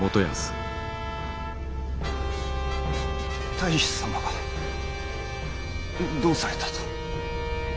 太守様がどうされたと？